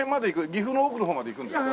岐阜の奥の方まで行くんですか？